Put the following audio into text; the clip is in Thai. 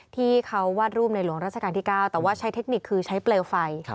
ที่เขาวาดรูปในหลวงราชการที่๙แต่ว่าใช้เทคนิคคือใช้เปลวไฟ